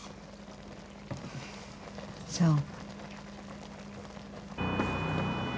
そう。